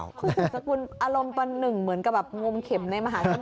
คือสกุลอารมณ์ปันหนึ่งเหมือนกับแบบงมเข็มในมหาที่หมด